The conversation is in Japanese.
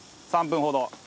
３分ほど。